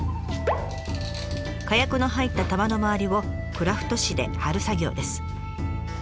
火薬の入った玉のまわりをクラフト紙で貼る作業です。